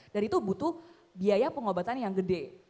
dan itu butuh biaya pengobatan yang gede